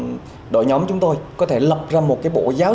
để cho đội nhóm chúng tôi có thể lập ra một cái bộ giáo trình